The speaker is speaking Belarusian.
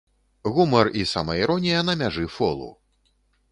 Гумар і самаіронія на мяжы фолу.